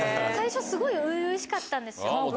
最初すごい初々しかったんですよ。